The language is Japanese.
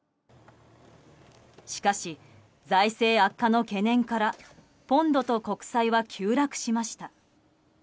しかし、財政悪化の懸念からポンドと国債は急落しました。